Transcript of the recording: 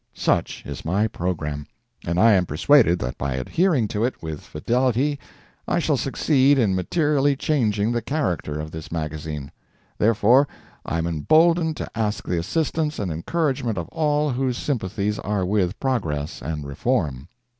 Such is my programme; and I am persuaded that by adhering to it with fidelity I shall succeed in materially changing the character of this magazine. Therefore I am emboldened to ask the assistance and encouragement of all whose sympathies are with Progress and Reform.